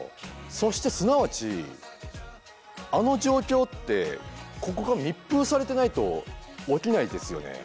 そしてすなわちあの状況ってここが密封されてないと起きないですよね。